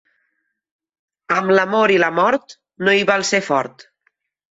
Amb l'amor i la mort no hi val ser fort.